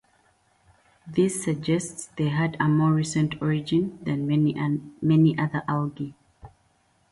This suggests they had a more recent origin than many other algae.